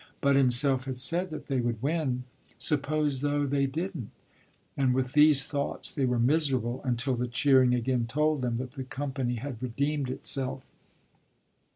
Bud himself had said that they would win. Suppose, though, they didn't; and with these thoughts they were miserable until the cheering again told them that the company had redeemed itself.